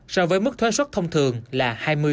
so với mức thuế xuất thông thường là hai mươi